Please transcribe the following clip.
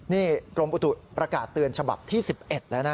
นี่กรมอุตุประกาศเตือนฉบับที่๑๑แล้วนะ